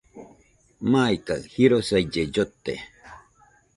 Maikaɨ jirosaille llote